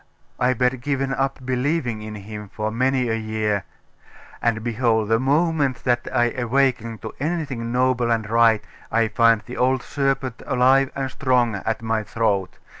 I bad given up believing in him for many a year .... And behold, the moment that I awaken to anything noble and right, I find the old serpent alive and strong at my throat!